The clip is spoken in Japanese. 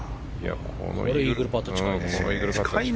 このイーグルパット近いね。